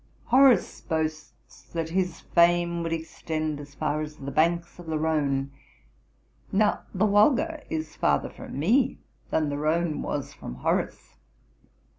Horace boasts that his fame would extend as far as the banks of the Rhone; now the Wolga is farther from me than the Rhone was from Horace.'